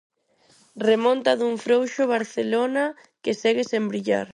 Remonta dun frouxo Barcelona que segue sen brillar.